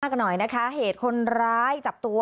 กันหน่อยนะคะเหตุคนร้ายจับตัว